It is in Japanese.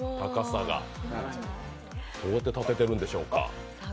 どうやって立ててるんでしょうか？